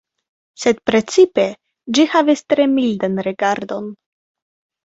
Sed precipe, ĝi havis tre mildan rigardon.